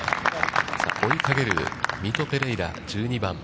追いかけるミト・ペレイラ、１２番。